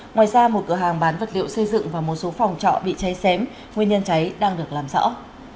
ngoài ra một cửa hàng bán vật liệu xây dựng và một số phòng trọ bị cháy xém nguyên nhân cháy đang được làm rõ